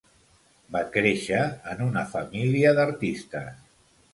Va créixer en una família d'artistes.